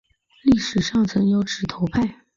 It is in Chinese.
历史上曾有指头派。